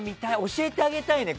教えてあげたいね。